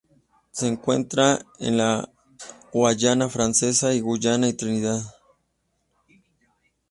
Se encuentra en la Guayana Francesa, Guyana y Trinidad.